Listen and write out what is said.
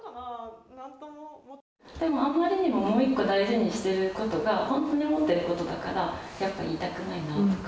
あまりにももう一個大事にしてることがほんとに思ってることだからやっぱ言いたくないなとか。